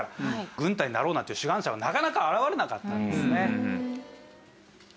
軍隊になろうなんていう志願者はなかなか現れなかったんですね。